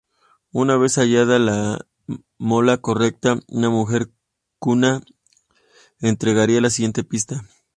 Una vez hallada la mola correcta, una mujer Kuna entregaría la siguiente pista.